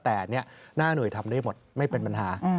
แต่หน้าหน่วยทำได้หมดไม่เป็นปัญหา